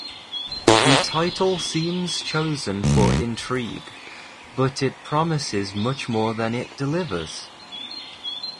The title seems chosen for intrigue, but it promises much more than it delivers.